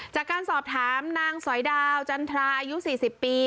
จากการสอบถามนางสอยดาวจันทราอายุ๔๐ปี